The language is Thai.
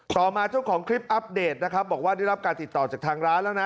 ต่อมาเจ้าของคลิปอัปเดตนะครับบอกว่าได้รับการติดต่อจากทางร้านแล้วนะ